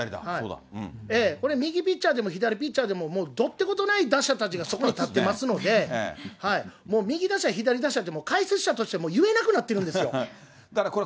ええ、これ、右ピッチャーでも左ピッチャーでももうどってことない打者がそこに立ってますので、もう右打者、左打者でも解説者として言えなくなってるんですよ、これ。